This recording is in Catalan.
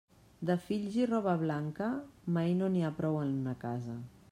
De fills i roba blanca, mai no n'hi ha prou en una casa.